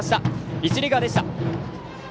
一塁側でした。